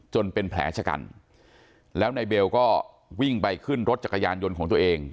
เป็นแผลชะกันแล้วนายเบลก็วิ่งไปขึ้นรถจักรยานยนต์ของตัวเอง